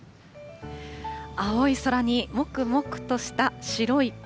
青い空にもくもくとした白い雲。